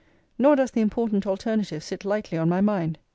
Nor does the important alternative sit lightly on my mind.